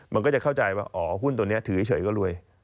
มันก็จะเข้าใจว่าอ๋อหุ้นตัวนี้ถือเฉยก็รวย